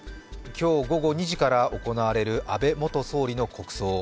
今日午後２時から行われる安倍元総理の国葬。